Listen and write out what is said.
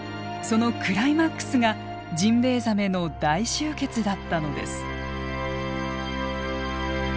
そのクライマックスがジンベエザメの大集結だったのです。